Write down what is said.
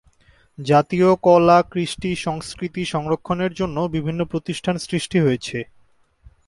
জাতীয় কলা-কৃষ্টি-সংস্কৃতি সংরক্ষণের জন্য বিভিন্ন প্রতিষ্ঠান সৃষ্টি হয়েছে।